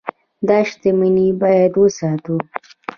دا شتمني باید وساتو.